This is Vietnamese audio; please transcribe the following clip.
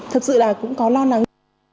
thật sự là cũng có lo lắng